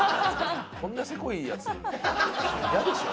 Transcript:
こんなセコいやつ嫌でしょ？